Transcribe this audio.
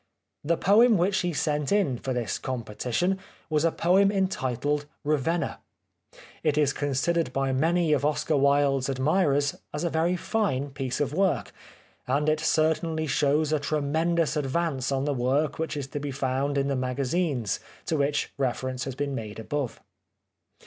The poem which he sent in for this competition was a poem entitled " Ravenna." It is considered by many of Oscar Wilde's admirers as a very fine piece of work, and it certainly shows a tremendous advance on the work which is to be found in the magazines, to which reference has been made above.